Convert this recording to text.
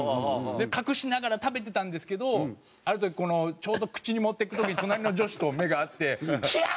隠しながら食べてたんですけどある時このちょうど口に持っていく時隣の女子と目が合って「キャー！」って言われて。